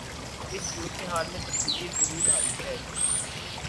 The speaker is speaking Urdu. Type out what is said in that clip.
اس صورتحال میں تبدیلی ضرور آئی ہے۔